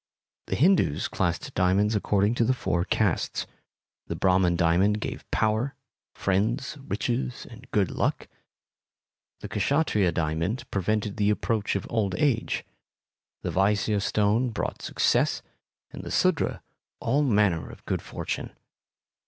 The Hindus classed diamonds according to the four castes. The Brahmin diamond gave power, friends, riches and good luck; the Kshatriya diamond prevented the approach of old age; the Vaisya stone brought success, and the Sudra, all manner of good fortune.